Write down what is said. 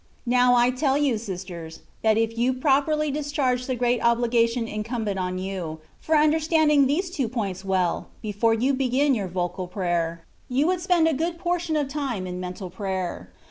Now, I tell you, sisters, that if you properly dis charge the great obligation incumbent on you, for understanding these two points well, before you begin your vocal prayer, you would spend a THE WAY OF PERFECTION. Ill good portion of time in 'mental prayer.